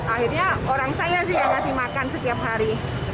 akhirnya orang saya sih yang kasih makan setiap hari